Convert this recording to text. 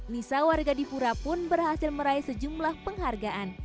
nisa warga di pura pun berhasil meraih sejumlah penghargaan